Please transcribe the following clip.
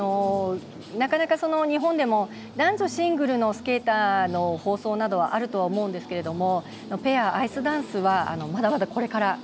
なかなか日本でも男女シングルのスケーターの放送などはあると思うんですけどもペア、アイスダンスはまだまだこれから。